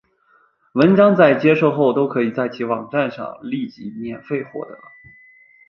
文章在接受后都可以在其网站上立即免费获得。